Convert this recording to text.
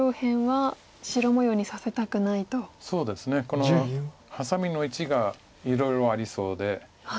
このハサミの位置がいろいろありそうで。